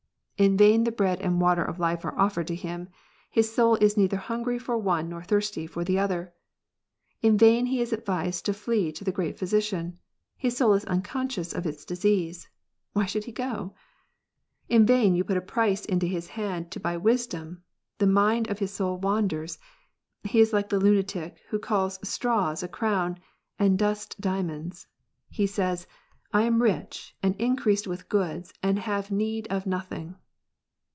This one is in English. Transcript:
In vain the bread and water of life are offered to him : his soul is neither hungry for the one, nor thirsty for the other. In vain he is advised to flee to the Great Physician : his soul is unconscious of its disease ; why should he go 1 In vain you put a price into his hand to buy wisdom : the mind of his soul wanders, he is like the lunatic, who calls straws a crown, and dust diamonds; he says, "I am rich, and increased with goods, and have need of nothing."